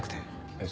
えっ。